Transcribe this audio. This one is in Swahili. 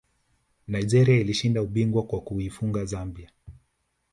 nigeria ilishinda ubingwa kwa kuifunga zambia